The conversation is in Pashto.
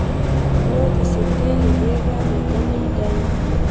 نو د سرکې له دېګه لوېدلی دی.